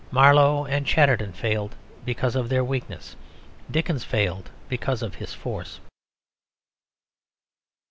Marlowe and Chatterton failed because of their weakness. Dickens failed because of his force.